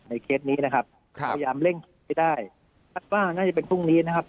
ในเคสนี้นะครับครับพยายามเร่งที่ได้ถ้าว่าง่ายจะเป็นพรุ่งนี้นะครับ